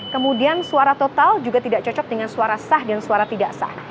kemudian suara total juga tidak cocok dengan suara sah dan suara tidak sah